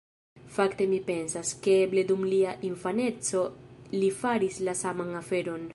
Fakte mi pensas, ke eble dum lia infaneco li faris la saman aferon.